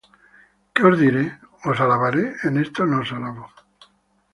¿Qué os diré? ¿os alabaré? En esto no os alabo.